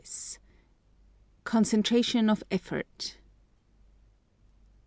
CONCENTRATION OF EFFORT.